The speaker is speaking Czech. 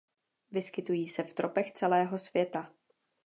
Vyskytují se v tropech celého světa.